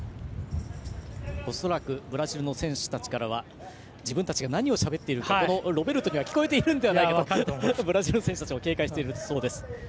恐らくブラジルの選手たちからは自分たちが何をしゃべっているかロベルトには聞こえているのではないかとブラジルの選手たちも警戒しているそうです。